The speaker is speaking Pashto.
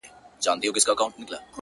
نه بيزو وه نه وياله وه نه گودر وو-